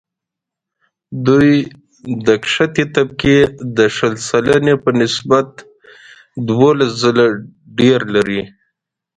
دوی د کښتې طبقې د شل سلنې په نسبت دوولس ځله ډېر لري